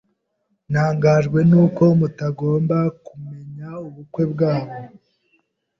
Ntangajwe nuko mutagomba kumenya ubukwe bwabo.